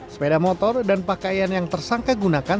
sepeda motor dan pakaian yang tersangka gunakan